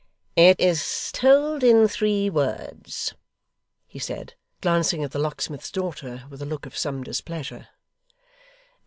'It is told in three words,' he said, glancing at the locksmith's daughter with a look of some displeasure.